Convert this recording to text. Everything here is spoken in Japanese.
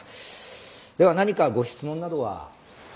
では何かご質問などは。